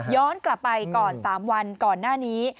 ย้อนกลับไป๓วันก่อนหน้านี้